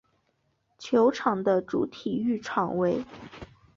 球队的主体育场为。